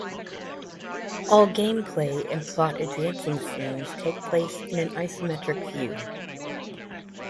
All gameplay and plot-advancing scenes take place in an isometric view.